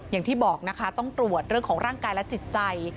อย่างที่บอกนะคะต้องตรวจเรื่องของร่างกายและจิตใจ